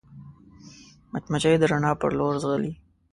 مچمچۍ د رڼا پر لور ځغلي